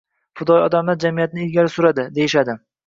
Fidoyi odamlar jamiyatni ilgari suradi, deyishadi.